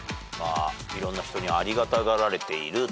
いろんな人にありがたがられてる。